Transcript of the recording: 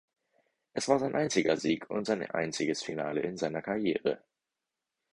Es war sein einziger Sieg und sein einziges Finale in seiner Karriere.